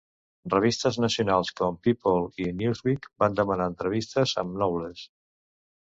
Revistes nacionals com "People" i "Newsweek" van demanar entrevistes amb Knowles.